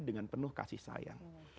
dengan penuh kasih sayang